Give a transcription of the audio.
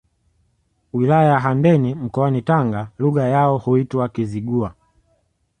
Wilaya ya Handeni mkoani Tanga Lugha yao huitwa Kizigua